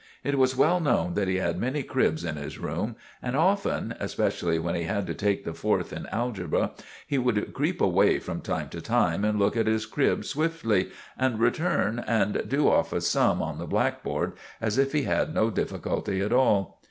It was well known that he had many cribs in his room, and often—especially when he had to take the fourth in algebra—he would creep away from time to time and look at his crib swiftly, and return, and do off a sum on the blackboard as if he had no difficulty at all.